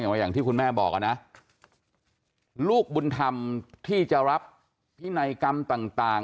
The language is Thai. อย่างที่คุณแม่บอกนะลูกบุญธรรมที่จะรับที่ในกรรมต่าง